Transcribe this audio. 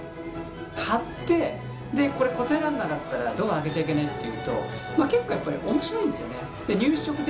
貼ってでこれ答えられなかったらドア開けちゃいけないっていうと結構やっぱり面白いんですよね。